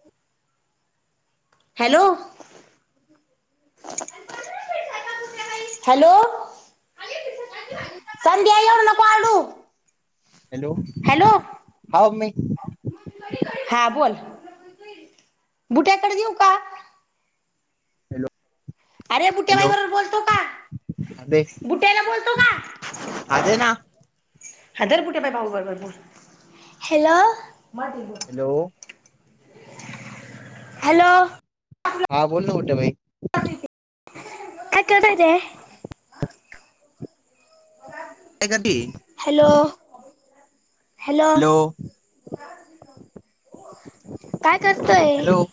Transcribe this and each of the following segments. [inaudible] Hello. [inaudible] [inaudible] Hello. [inaudible] Hello. Hello. [inaudible] हा mummy हा बोल. बुट्याकडे देऊ का? हॅलो. अरे बुट्याबाई हॅलो बरोबर बोलतो का? हा दे बुट्याला बोलतो का? हा दे ना हा धर बुट्ट्या भाऊ बरोबर बोल हॅलो. हॅलो. [inaudible] हॅलो. हा बोल ना बुट्या भाई. काय करु राहीले. [unintelligible] काय करती? हॅलो. [inaudible] हॅलो [inaudible] काय करतोय? हॅलो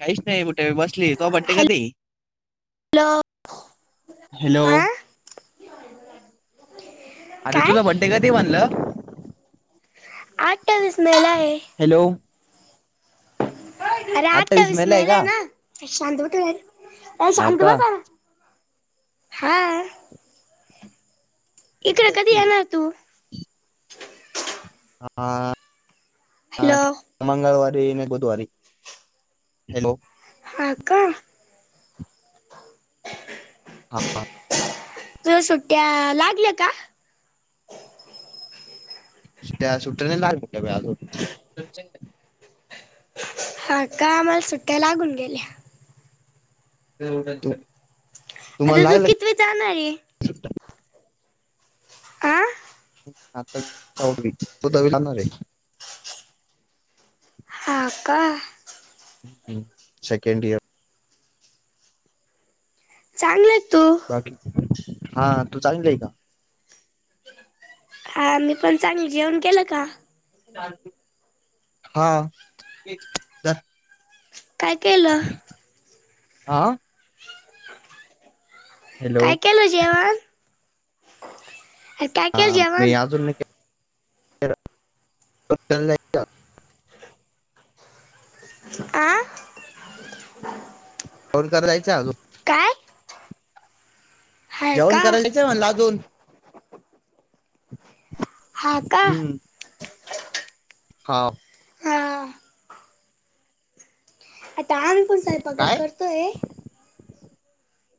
काहीच नाही बुटे बई बसली तो बडे हॅलो कधी? हॅलो. हा [inaudible] अरे काय तुझा बड्डे कधी म्हनलं? अठावीस मे ला. आहे हॅलो. अरे अठ्ठावीस अठावीस मे आहे ला का हे ना. ऐ शांत हा का बसा. हा. काय इकड कधी करती येणार तू? हा हॅलो मंगळवारी नाय बुधवारी. हॅलो. हा का? हा हा. तुला सुट्ट्या लागल्या का? त्या्या सुट्ट्या नाही लागल्या काय बी आजुन? हा का आम्हाला सुट्ट्या लागून गेल्या. [unintelligible] आता तुम्हाला तू लागलं किती वित जाणार हे? हा [unintelligible] हा का? Second year. चांगलं आहे तू. बाकी तू चांगली हे का? हा मी पण चांगली. जेवण केलं का? हा. काय केलं आं? हॅलो काय केल जेवण? अरे, काय केलं जेवण [unintelligible] आ. फोन करायचा हाय चालू. काय? हा जेवण का करायलाच म्हण अजून. हा का. हम्म हा. हा काय [unintelligible]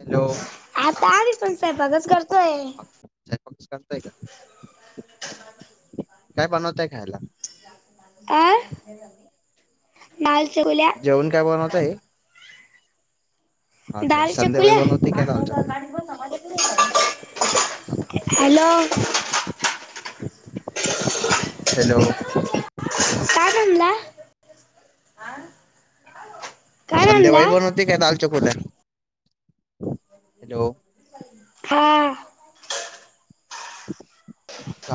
हॅलो. आता आध पण साहेबगच करतोय. काय बनवताय खायला? अ माल सगुल्या. जेवण काय बनवताय हा का दाल संध्याकाळी चकुल्या. बनवते काय दाल हॅलो. चकोल्या हॅलो. काय म्हणला? काय म्हणला संध्याबाई बनवते काय दालचकुल्या. हॅलो. हा.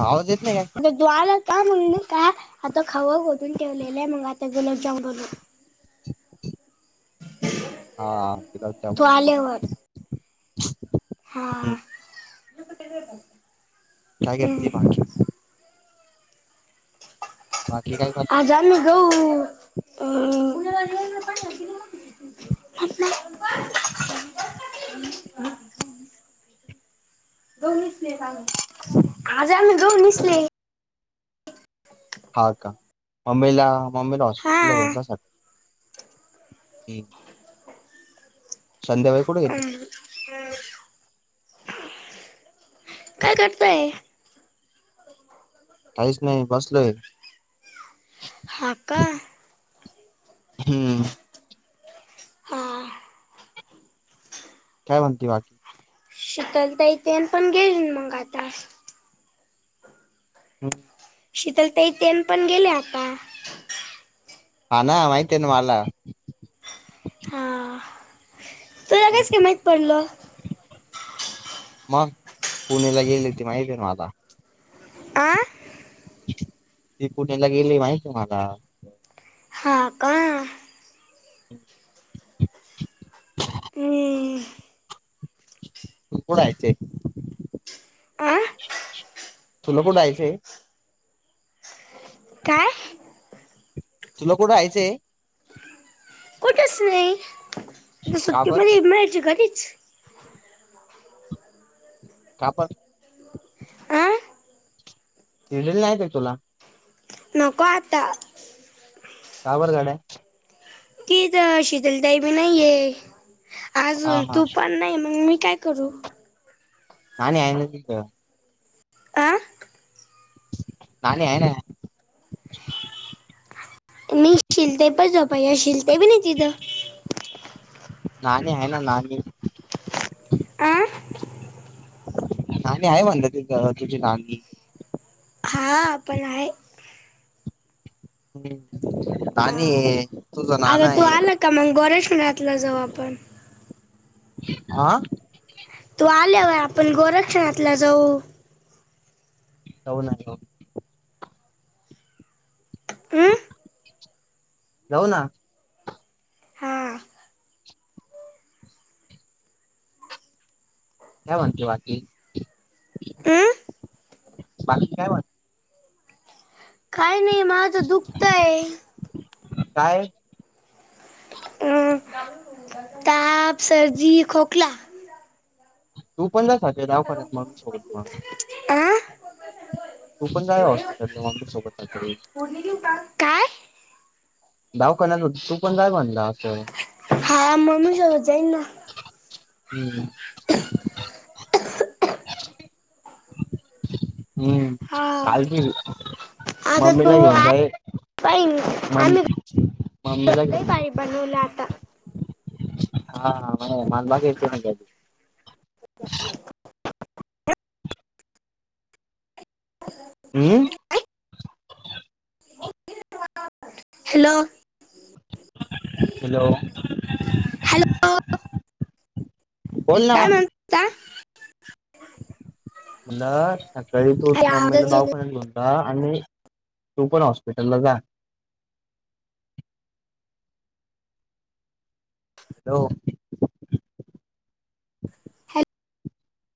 आवाज येत नाही काय? अरे तु आल अस ना म्हणून का आता खवा ओतून ठेवलेला आहे मग आता गुलाबजाम बनवतोय. [inaudible] हा गुलाबजामुन तू आल्यावर हा हम्म काय हम्म. करते बाकी? बाकी काय का [unintelligible] [unintelligible] दोन दिसले आज आम्ही दोन दिसले हा का मम्मीला मम्मीला हा हॉस्पिटल ला घेऊन जा सका हम्म संध्याकाळी कुठं गेल? अं, काय करताय? काहीच नाही बसलोय. हा का हम्म हा काय म्हणती बाकी? शितल ताई तेन पण गेली मग आता हं शितल ताई तेन पण गेल्या आता हा ना माहितिये ना मला हा तुला कसं काय माहीत पडलं? म पुण्याला गेले ते माहितीये ना आता आ ते पुण्याला गेले माहितीये मला हा का [inaudible] हम्म. आ [unintelligible] काय तुला कुठं आयचंय? कुठेच नाही आता का बर सुट्टीमध्ये मॅच हे घरीच काप आ केलेले नाही ते तुला नको आत का बरं गड्या? कि इथं शीतलताई बी नाहीये हा अजून हा तू पण नाही मग मी काय करू पाणी हाय ना तिथं आ पाणी हाय ना [unintelligible] नानी हाय ना नानी आ नानी हाय म्हणलं ते तुझी नानी आपण हाय हम् आ. नानी आता तू आला का मग गोरेश्मनाथला जाऊ आपण हा तू आल्यावर आपण गोरक्षणातला जाऊ. [unintelligible] हं? जाऊ ना. हा काय म्हणते बाकी, हं? बाकी काय म्हणते? काय नाही माझं दुखतंय. काय? अं ताप, सर्दी, खोकला. तू पण दाखवायचं दावाखान्यात मम्मी सोबत मग. आं? तू पण जाय हॉस्पिटलला मम्मी सोबत रात्री [unintelligible] काय? दावाखान्याचं तू पण जाय म्हणलं असं. हा मम्मी सोबत जाईन ना. हं हं [unintelligible] हम्म. हा काल बिल आता मम्मीला तू घेऊन आ- जाये. पाहिन मम मम्मीला घे नाही बनवला आता. हां [unintelligible] हम्म [unintelligible] हॅलो. हॅलो. हॅलो बोल ना. ता म्हणलं सकाळी तू अरे मम्मीला आवाजच येत दवाखान्यात घेऊन जा आणि तू पण हॉस्पिटलला जा. हॅलो. नाही.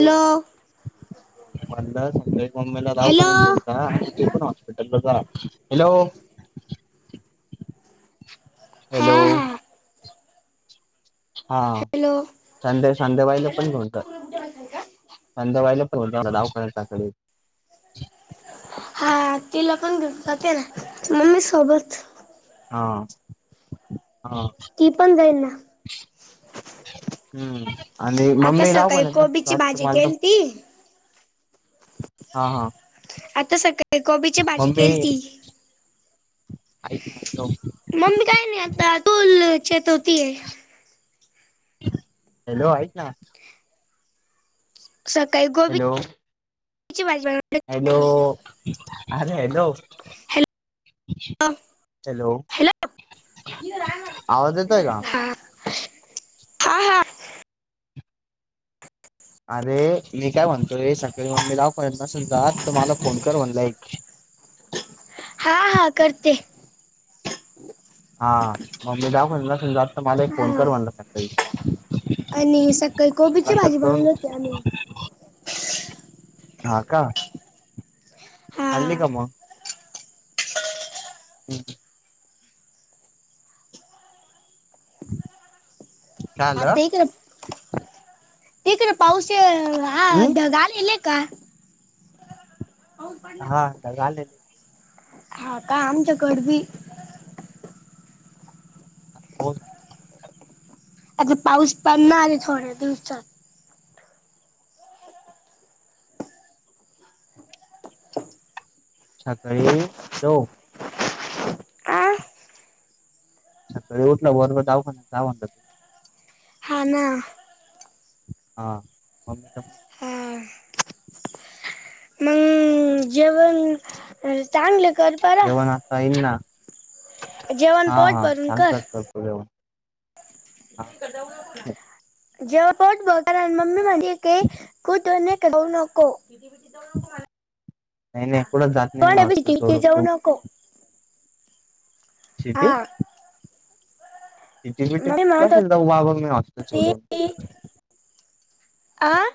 हॅलो. म्हणलं संध्या मम्मीला हॅलो दवाखान्याला घेऊन जा आणि तू पण हॉस्पिटलला जा, हॅलो हा हॅलो. हा हा हॅलो संध्या संध्यावायला पण घेऊन जा. संध्याकाळी एवढे दवाखान्यात दाखवी. हा तिला पण घेऊन जाते ना मम्मी सोबत. हा हा. ती पण जाईल ना. हम्म आणि आता मम्मी सकाळी कोबीची भाजी केली [inaudible] ती हा हा. आता सकाळी कोबीची भाजी मम्मी केलती. [unintelligible] मम्मी काय नाही आता तू [unintelligible] हॅलो ऐक ना. सकाळी हॅलो कोबीची भाजी बनव हॅलो अरे हॅलो. हॅलो हॅलो हॅलो आवाज येतोय का? [unintelligible] आ हा. आरे मी काय म्हणतो हे, सकाळी मम्मी दवाखान्यात नसेल जात तर, मला फोन कर म्हणल एक. हा हा करते. हा म्हटलं दवाखान्यात नसेल जात. तर माले एक फोन हा कर म्हणल सकाळी. आणि सकाळी कोबीची भाजी बनवली होती आम्ही [unintelligible] हा का. हा आणले का मग? [inaudible] [inaudible] काय हा आलं ते तर ते तर पाऊस आ हम्म ढग आलेले आहे का? हा आता झालेत हा का आमच्याकड बी. हो का? आता पाऊस पडणार आहे थोड्या दिवसात. चहा ताई ठेव, आ चहा ताई उठ ना. वरवर डाव म्हणतात डाव म्हणतात. हा ना. हा मम्मी तर. हा उम्म, जेवण चांगल कर. बरं जेवण आत्ता येईल ना. जेवण हा पोट हा भरून कर आणतात. [unintelligible] घडवलं कोणाच्या? जेव्हा पोट भरून राहिले मम्मी म्हणती की खुद खाऊ नको. नाही नाही कुठंच जात नाही मी हॉस्टेल [inaudible] सोडून जाऊ तू नको. चेदे. हा तिथ-बिती मम्मी म्हणत करशील होती तर [inaudible] आं.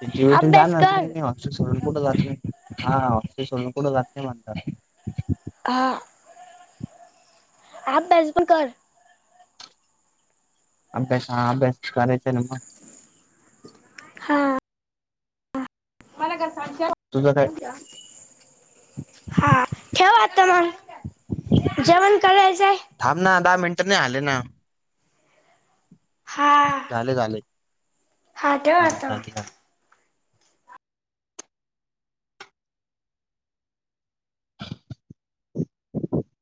त्याची वेट अभ्यास जाणार नाही. कर मी हॉस्टेल सोडून कुठे जात नाही. हा हॉस्टेल सोडून कुठे जात नाही. हा. आम्हना जि पना कर. अभ्यास हा अभ्यास करयचा ना मग. हा. मले घर चालत. तुझं काय? हा ठेव आता मंग. जेवण करायचय. थांब ना. दहा मिनिट नाही झाले ना. हा. झाले झाले हा ठेव आता. झाले झाले [inaudible]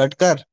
कट कर.